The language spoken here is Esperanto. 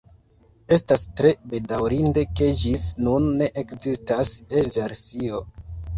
Estas tre bedaŭrinde ke ĝis nun ne ekzistas E-versio.